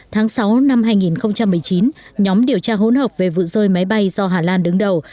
tháng sáu năm hai nghìn một mươi chín nhóm điều tra hỗn hợp về vụ rơi máy bay do hà lan đứng đầu